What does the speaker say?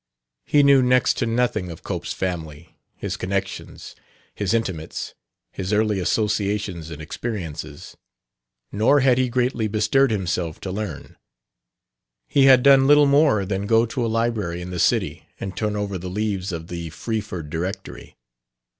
He knew next to nothing of Cope's family, his connections, his intimates, his early associations and experiences. Nor had he greatly bestirred himself to learn. He had done little more than go to a library in the city and turn over the leaves of the Freeford directory.